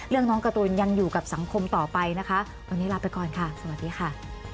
น้องการ์ตูนยังอยู่กับสังคมต่อไปนะคะวันนี้ลาไปก่อนค่ะสวัสดีค่ะ